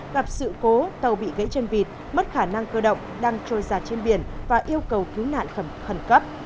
gặp sự cố tàu bị gãy chân vịt mất khả năng cơ động đang trôi giặt trên biển và yêu cầu cứu nạn khẩn cấp